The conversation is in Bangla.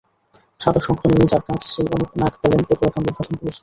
সাদা শঙ্খ নিয়েই যাঁর কাজ, সেই অনুপ নাগ পেলেন পটুয়া কামরুল হাসান পুরস্কার।